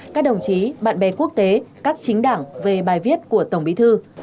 các đồng chí bạn bè quốc tế các chính đảng về bài viết của tổng bí thư